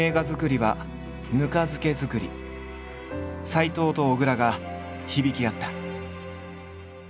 斎藤と小倉が響き合った。